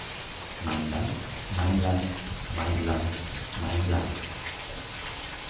Mein Land, Mein Land, Mein Land, Mein Land.